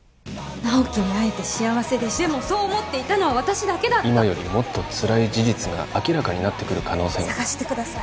直木に会えて幸せでしたでもそう思っていたのは私だけだった今よりもっとつらい事実が明らかになってくる可能性が探してください